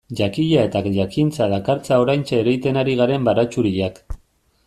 Jakia eta jakintza dakartza oraintxe ereiten ari garen baratxuriak.